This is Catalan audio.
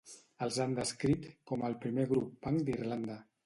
Els han descrit com el primer grup punk d'Irlanda.